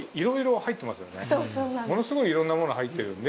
ものすごいいろんなもの入ってるんで。